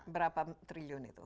berapa triliun itu